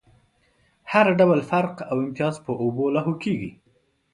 هر ډول فرق او امتياز په اوبو لاهو کېږي.